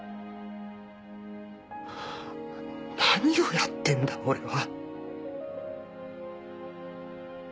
何をやってんだ俺は。